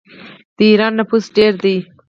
د ایران نفوس ډیر دی.